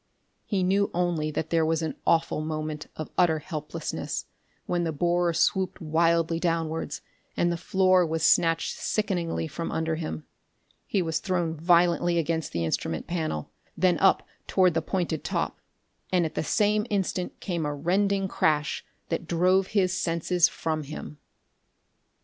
He knew only that there was an awful moment of utter helplessness, when the borer swooped wildly downwards, and the floor was snatched sickeningly from under him. He was thrown violently against the instrument panel; then up toward the pointed top; and at the same instant came a rending crash that drove his senses from him....